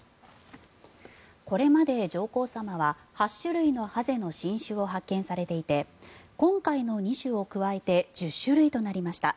これまで上皇さまは８種類のハゼの新種を発見されていて今回の２種を加えて１０種類となりました。